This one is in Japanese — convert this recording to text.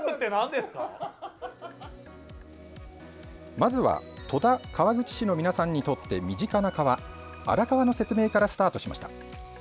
まずは、戸田、川口市の皆さんにとって身近な川荒川の説明からスタートしました。